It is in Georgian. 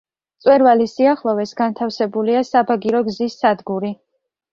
მწვერვალის სიახლოვეს განთავსებულია საბაგირო გზის სადგური.